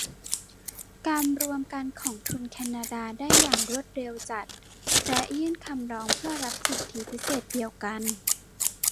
การรวมกันของทุนแคนาดาได้อย่างรวดเร็วจัดและยื่นคำร้องเพื่อรับสิทธิพิเศษเดียวกัน